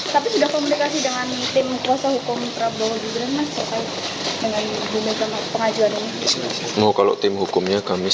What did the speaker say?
tapi sudah komunikasi dengan tim kuasa hukum prabowo gibran mas